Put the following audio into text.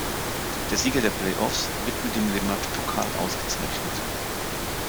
Der Sieger der Play-Offs wird mit dem Le-Mat-Pokal ausgezeichnet.